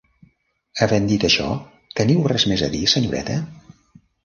Havent dit això, teniu res més a dir, senyoreta?